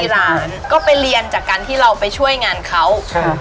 หลานก็ไปเรียนจากการที่เราไปช่วยงานเขาใช่